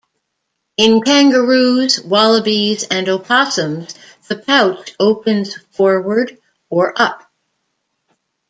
In kangaroos, wallabies and opossums, the pouch opens forward or up.